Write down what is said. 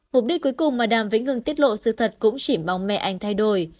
mục đích cuối cùng mà đàm vĩnh hưng tiết lộ sự thật cũng chỉ mong mẹ anh thay đổi